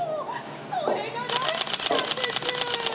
これが大好きなんです！